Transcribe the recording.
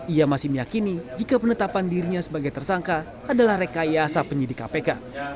ia masih meyakini jika penetapan dirinya sebagai tersangka adalah rekayasa penyidik kpk